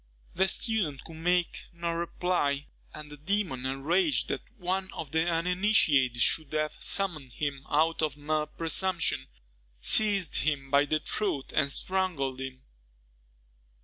The student could make no reply; and the demon, enraged that one of the uninitiated should have summoned him out of mere presumption, seized him by the throat and strangled him.